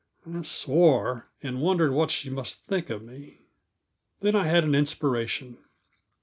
I swore, and wondered what she must think of me. Then I had an inspiration.